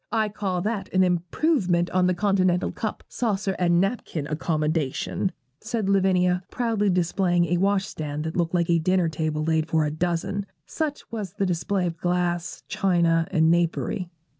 I call that an improvement on the continental cup, saucer, and napkin accommodation,' said Lavinia, proudly displaying a wash stand that looked like a dinner table laid for a dozen, such was the display of glass, china, and napery.